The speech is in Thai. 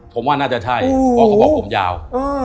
ผมว่าน่าจะใช่เพราะผมยาว